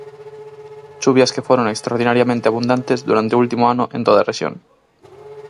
Chuvias que foron extraordinariamente abundantes durante o último ano en toda a rexión.